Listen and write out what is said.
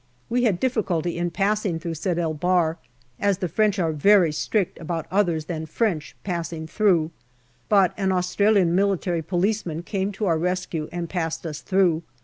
We had difficulty in passing through Sed el Bahr, as the French are very strict about others than French passing through, but an Australian military policeman came to our rescue MAY 97 and passed us through.